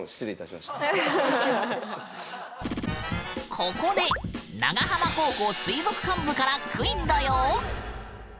ここで長浜高校水族館部からクイズだよ！